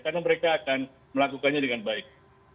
karena mereka akan melakukannya dengan baik